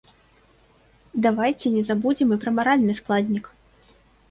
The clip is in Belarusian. Давайце не забудзем і пра маральны складнік.